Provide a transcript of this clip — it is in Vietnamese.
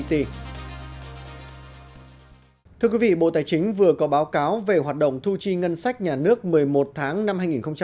thưa quý vị bộ tài chính vừa có báo cáo về hoạt động thu chi ngân sách nhà nước một mươi một tháng năm hai nghìn hai mươi